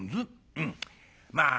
「うんまあ